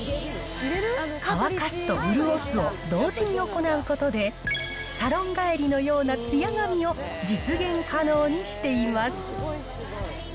乾かすと潤すを同時に行うことで、サロン帰りのようなつや髪を実現可能にしています。